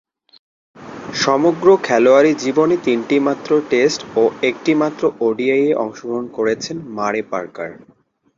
সমগ্র খেলোয়াড়ী জীবনে তিনটিমাত্র টেস্ট ও একটিমাত্র ওডিআইয়ে অংশগ্রহণ করেছেন মারে পার্কার।